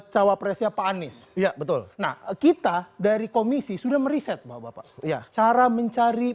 cawapresnya pak anies ya betul nah kita dari komisi sudah meriset bahwa bapak ya cara mencari